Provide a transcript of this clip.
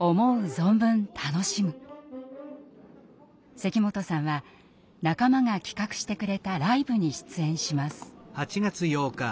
関本さんは仲間が企画してくれたライブに出演します。